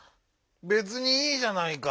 べつにいいじゃないか！